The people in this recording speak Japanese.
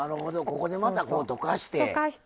ここでまたこう溶かして。